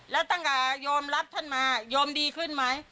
แล้วตั้งแต่โยมรับท่านมาโยมดีขึ้นไหม